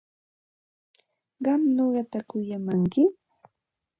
¿Qam nuqata kuyamanki?